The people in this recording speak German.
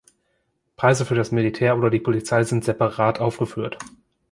Preise für das Militär oder die Polizei sind separat aufgeführt.